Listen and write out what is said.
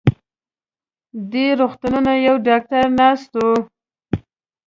دې روغتون يو ډاکټر ناست و.